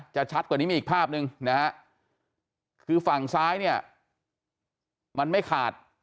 ชัดกว่านี้มีอีกภาพหนึ่งนะฮะคือฝั่งซ้ายเนี่ยมันไม่ขาด